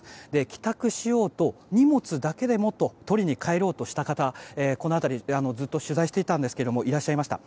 帰宅しようと荷物だけでもと取りに帰ろうとした方この辺りずっと取材していたんですけどいらっしゃいました。